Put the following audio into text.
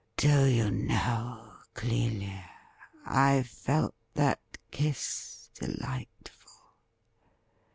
'Do you know, Clelia, I felt that kiss delightful.